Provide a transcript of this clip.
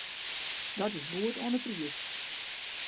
Dat is goed oan 'e priis.